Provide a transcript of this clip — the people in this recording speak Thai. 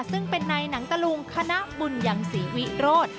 ซึ่งเป็นในหนังตะลุงคณะบุญยังศรีวิโรธ